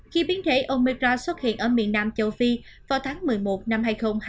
khi biến thể omira xuất hiện ở miền nam châu phi vào tháng một mươi một năm hai nghìn hai mươi